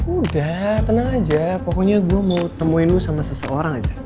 udah tenang aja pokoknya gue mau temuin lu sama seseorang aja